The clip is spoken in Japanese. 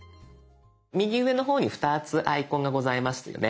右上の方に２つアイコンがございますよね。